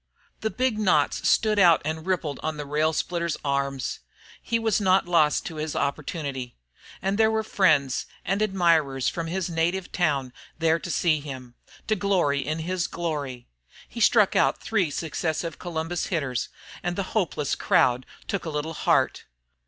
The big knots stood out and rippled on the rail splitter's arms. He was not lost to his opportunity. And there were friends and admirers from his native town there to see, to glory in his glory. He struck out three successive Columbus hitters and the hopeless crowd took a little heart.